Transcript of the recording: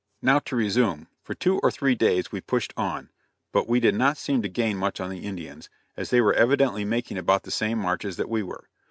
Now to resume: For two or three days we pushed on, but we did not seem to gain much on the Indians, as they were evidently making about the same marches that we were.